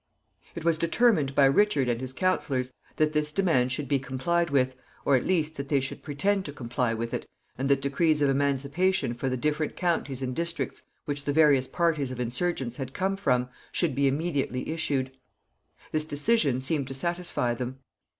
It was determined by Richard and his counselors that this demand should be complied with, or, at least, that they should pretend to comply with it, and that decrees of emancipation for the different counties and districts which the various parties of insurgents had come from should be immediately issued. This decision seemed to satisfy them.